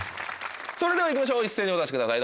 それでは行きましょう一斉にお出しください